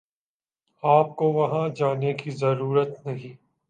آپ کو وہاں جانے کی ضرورت نہیں